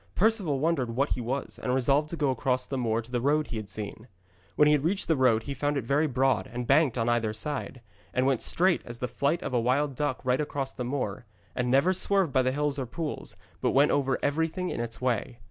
Perceval wondered what he was, and resolved to go across the moor to the road he had seen. When he reached the road he found it was very broad, and banked on either side, and went straight as the flight of a wild duck right across the moor, and never swerved by the hills or pools, but went over everything in its way.